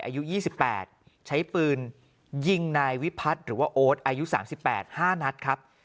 อายุ๒๘ใช้ปืนยิงนายวิพัฒน์หรือว่าโอ๊ตอายุ๓๘๕นัดครับ